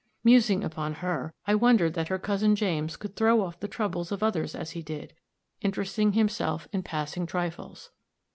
Musing upon her, I wondered that her cousin James could throw off the troubles of others as he did, interesting himself in passing trifles.